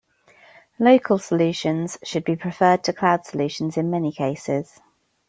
Local solutions should be preferred to cloud solutions in many cases.